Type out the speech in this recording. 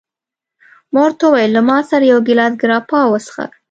ما ورته وویل: له ما سره یو ګیلاس ګراپا وڅښه.